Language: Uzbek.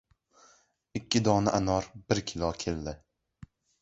Ikki dona anor bir kilo keldi.